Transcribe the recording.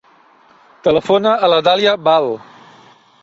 Telefona a la Dàlia Val.